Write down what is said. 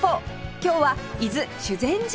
今日は伊豆修善寺へ